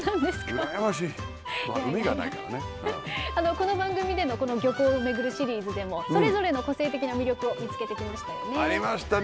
この番組でのこの漁港を巡るシリーズでもそれぞれの個性的な魅力を見つけてきましたよね。